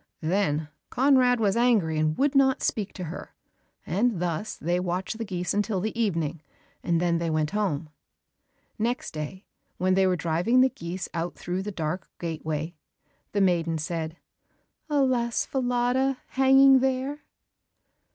Then Conrad was angry, and would not speak to her, and thus they watched the geese until the evening, and then they went home. Next day when they were driving the geese out through the dark gateway, the maiden said, "Alas, Falada, hanging there!"